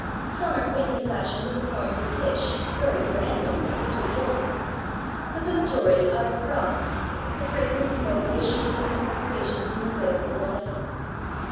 Some are quaintly fashioned in the forms of fish, 408 AN INCENSE PARTY birds, or animals, and richly gilded; but the majority are of bronze, the fragrant smoke issuing from perfora tions in the lid of the Uttle vessel.